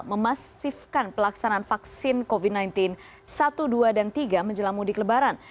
memasifkan pelaksanaan vaksin covid sembilan belas satu dua dan tiga menjelang mudik lebaran